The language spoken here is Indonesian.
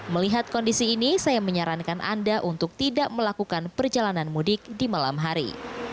melihat kondisi ini saya menyarankan anda untuk tidak melakukan perjalanan mudik di malam hari